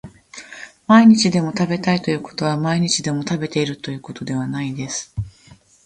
毎日でも食べたいということは毎日でも食べているということではないです